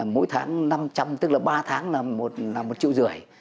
mỗi tháng năm trăm linh tức là ba tháng là một triệu rưỡi